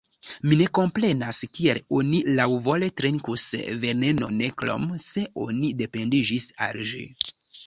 Mi ne komprenas kiel oni laŭvole trinkus venenon, krom se oni dependiĝis al ĝi.